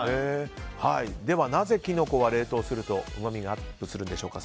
ではなぜキノコは冷凍するとうまみがアップするんでしょうか。